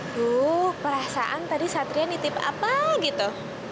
bu perasaan tadi satria nitip apa gitu